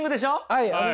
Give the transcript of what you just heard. はい。